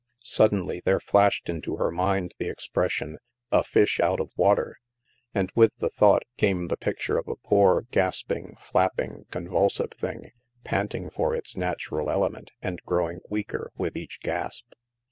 Suddenly there flashed into her mind the expres sion, " a fish out of water," and with the thought, came the picture of a poor, gasping, flapping, con vulsive thing, panting for its natural element and growing weaker with each gasp.